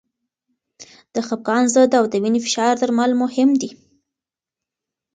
د خپګان ضد او د وینې فشار درمل مهم دي.